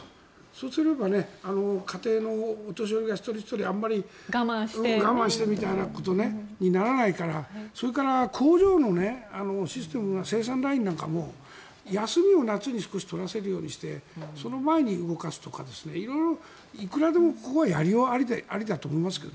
そうすれば家庭のお年寄りが一人ひとりあまり我慢してみたいなことにならないからそれから工場のシステム生産ラインなんかも休みを夏に少し取らせるようにしてその前に動かすとか色々いくらでもここはやりようがあると思いますが。